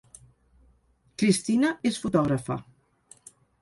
Cristina és fotògrafa